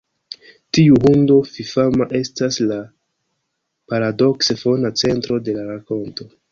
Tiu hundo fifama estas la paradokse fona centro de la rakonto.